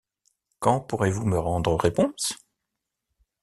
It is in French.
Quand pourrez-vous me rendre réponse?